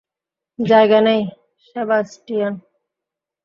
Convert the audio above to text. জায়গা নেই, সেবাস্টিয়ান।